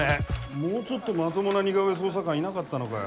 もうちょっとまともな似顔絵捜査官いなかったのかよ。